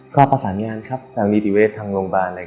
ก็ประสานงานครับทางนิติเวศทางโรงพยาบาล